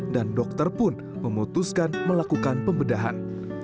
dan dokter pun memutuskan melakukan pembedahan